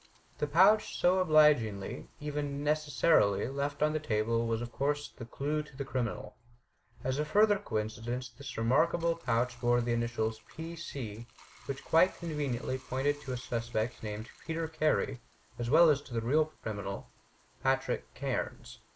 The pouch, so obligingly, even necessarily, left on the table was of course the clue to the criminal. As a further coincidence this remarkable pouch bore the initials "P. C," which quite conveniently pointed to a suspect named Peter Carey, as well as to the real criminal, Patrick Cairns.